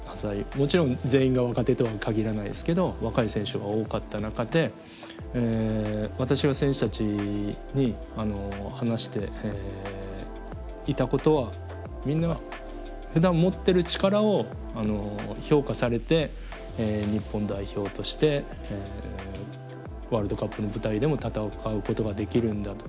もちろん全員が若手とは限らないですけど若い選手が多かった中で私は選手たちに話していたことはみんなふだん持ってる力を評価されて日本代表としてワールドカップの舞台でも戦うことができるんだと。